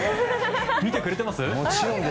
見てくれてます？